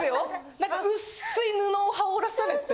何かうっすい布を羽織らされて。